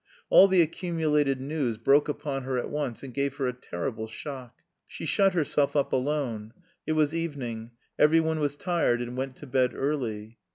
All the accumulated news broke upon her at once and gave her a terrible shock. She shut herself up alone. It was evening; every one was tired and went to bed early.